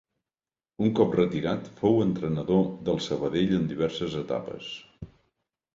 Un cop retirat fou entrenador del Sabadell en diverses etapes.